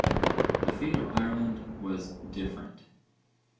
The fate of Ireland was different.